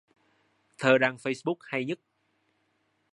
Thơ đăng facebook hay nhất